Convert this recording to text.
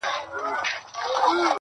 د ښايستونو خدایه اور ته به مي سم نيسې~